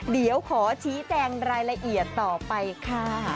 เดี๋ยวขอชี้แจงรายละเอียดต่อไปค่ะ